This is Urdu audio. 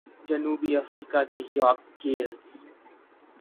جنوب افریقہ کے ژاک کیلس